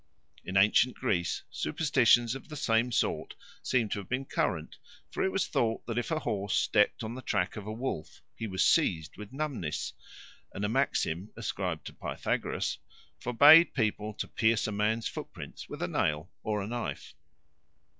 In ancient Greece superstitions of the same sort seem to have been current, for it was thought that if a horse stepped on the track of a wolf he was seized with numbness; and a maxim ascribed to Pythagoras forbade people to pierce a man's footprints with a nail or a knife.